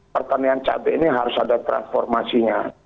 pertanian cabai ini harus ada transformasinya